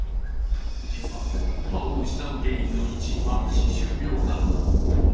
実は、歯を失う原因の１位は歯周病なのだ。